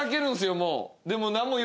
もう。